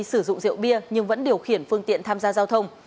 sử dụng rượu bia nhưng vẫn điều khiển phương tiện tham gia giao thông